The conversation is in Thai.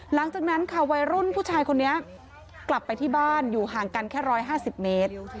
หลังจากนั้นค่ะวัยรุ่นผู้ชายคนนี้กลับไปที่บ้านอยู่ห่างกันแค่๑๕๐เมตร